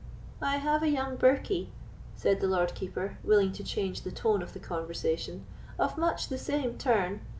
"I have a young birkie," said the Lord Keeper, willing to change the tone of the conversation, "of much the same turn.